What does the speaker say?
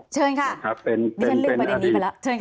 เชิญค่ะครับดิฉันเลือกประเด็นนี้ไปแล้วเชิญค่ะ